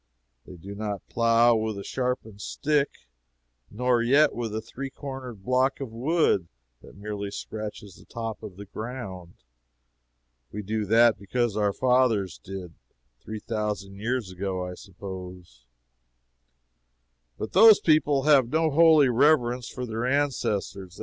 They do not plow with a sharpened stick, nor yet with a three cornered block of wood that merely scratches the top of the ground. We do that because our fathers did, three thousand years ago, I suppose. But those people have no holy reverence for their ancestors.